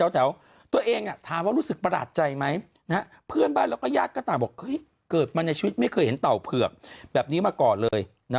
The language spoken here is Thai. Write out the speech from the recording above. แถวตัวเองถามว่ารู้สึกประหลาดใจไหมเพื่อนบ้านแล้วก็ญาติก็ต่างบอกเกิดมาในชีวิตไม่เคยเห็นเต่าเผือกแบบนี้มาก่อนเลย